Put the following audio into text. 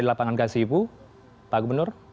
di lapangan kasih bu pak gubernur